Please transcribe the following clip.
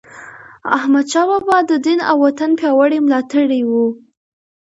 احمدشاه بابا د دین او وطن پیاوړی ملاتړی و.